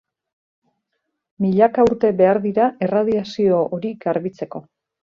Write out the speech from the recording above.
Milaka urte behar dira erradiazio hori garbitzeko.